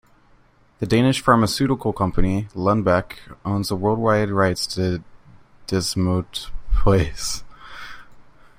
The Danish pharmaceutical company, Lundbeck, owns the worldwide rights to desmoteplase.